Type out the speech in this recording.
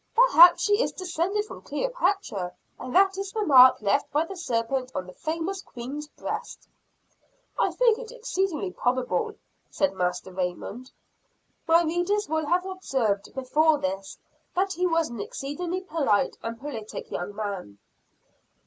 "Perhaps she is descended from Cleopatra and that is the mark left by the serpent on the famous queen's breast." "I think it exceedingly probable," said Master Raymond. My readers will have observed before this, that he was an exceedingly polite and politic young man.